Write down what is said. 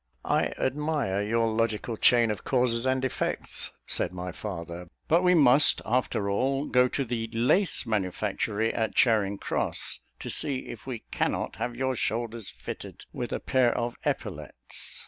"I admire your logical chain of causes and effects," said my father; "but we must, after all, go to the lace manufactory at Charing cross, to see if we cannot have your shoulders fitted with a pair of epaulettes.